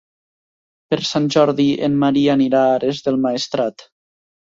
Per Sant Jordi en Maria anirà a Ares del Maestrat.